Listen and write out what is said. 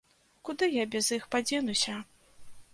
Куды я без іх падзенуся?!